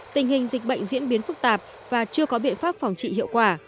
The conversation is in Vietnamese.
tình hình dịch bệnh diễn biến phức tạp và chưa có biện pháp phòng trị hiệu quả